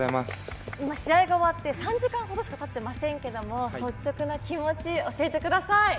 今試合が終わって３時間ほどしかたっていませんけれども、率直な気持ち、教えてください。